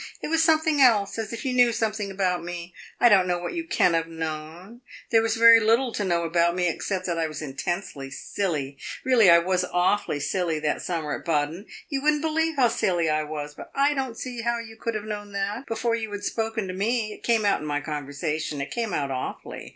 It was something else as if you knew something about me. I don't know what you can have known. There was very little to know about me, except that I was intensely silly. Really, I was awfully silly that summer at Baden you would n't believe how silly I was. But I don't see how you could have known that before you had spoken to me. It came out in my conversation it came out awfully.